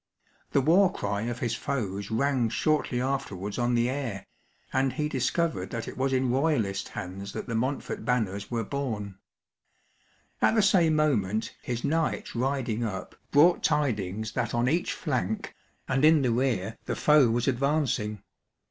The war cry of his foes rang shortly afterwards on the air, and he discovered that it was in Royalist hands that the Montfort banners were borne. At the same moment his knights riding up brought tidings that on each flank, and in the rear, the foe was advancing.